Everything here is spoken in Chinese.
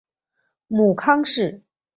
母康氏。